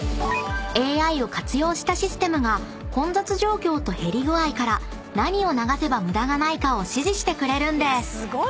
［ＡＩを活用したシステムが混雑状況と減り具合から何を流せば無駄がないかを指示してくれるんです］